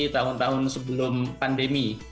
tahun tahun sebelum pandemi